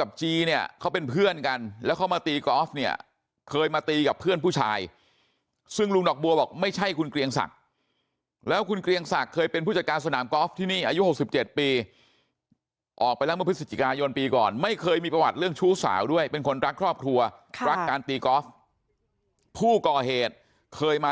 กับจีเนี่ยเขาเป็นเพื่อนกันแล้วเขามาตีกอล์ฟเนี่ยเคยมาตีกับเพื่อนผู้ชายซึ่งลุงดอกบัวบอกไม่ใช่คุณเกรียงศักดิ์แล้วคุณเกรียงศักดิ์เคยเป็นผู้จัดการสนามกอล์ฟที่นี่อายุ๖๗ปีออกไปแล้วเมื่อพฤศจิกายนปีก่อนไม่เคยมีประวัติเรื่องชู้สาวด้วยเป็นคนรักครอบครัวรักการตีกอล์ฟผู้ก่อเหตุเคยมา